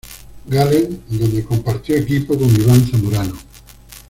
Gallen donde compartió equipo con Iván Zamorano.